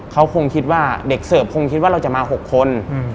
เขาคงคิดว่าเด็กเสิร์ฟคงคิดว่าเราจะมา๖คน